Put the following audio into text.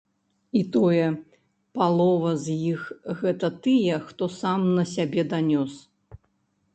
І тое, палова з іх гэта тыя, хто сам на сябе данёс.